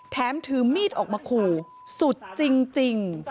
ถือมีดออกมาขู่สุดจริง